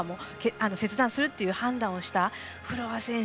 切断するって判断をしたフロアス選手